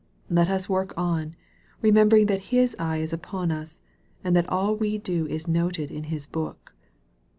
Let us work on, remembering that His eye is upon us, and that all we do is noted in His book.